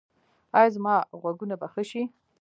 ایا زما غوږونه به ښه شي؟